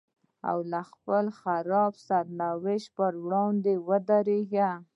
او خپل خراب سرنوشت په وړاندې ودرېږي.